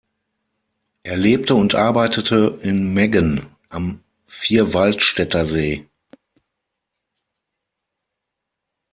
Er lebte und arbeitete in Meggen am Vierwaldstättersee.